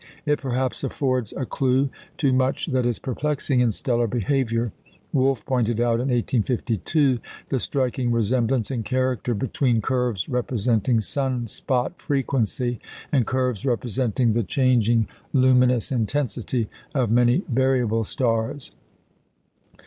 It perhaps affords a clue to much that is perplexing in stellar behaviour. Wolf pointed out in 1852 the striking resemblance in character between curves representing sun spot frequency and curves representing the changing luminous intensity of many variable stars.